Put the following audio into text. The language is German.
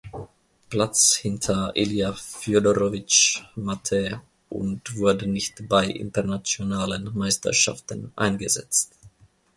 Platz hinter Ilja Fjodorowitsch Mate und wurde nicht bei internationalen Meisterschaften eingesetzt.